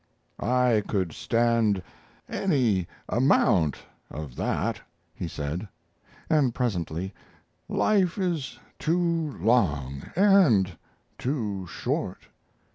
"I could stand any amount of that," he said, and presently: "Life is too long and too short.